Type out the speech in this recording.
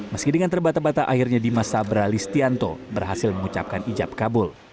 meski dengan terbata bata akhirnya dimas sabra listianto berhasil mengucapkan ijab kabul